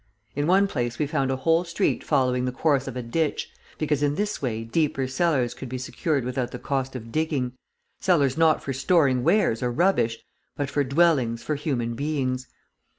In one place we found a whole street following the course of a ditch, because in this way deeper cellars could be secured without the cost of digging, cellars not for storing wares or rubbish, but for dwellings for human beings.